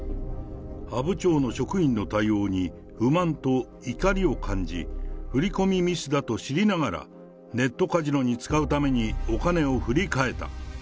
阿武町の職員の対応に不満と怒りを感じ、振り込みミスだと知りながら、ネットカジノに使うためにお金を振り替えた。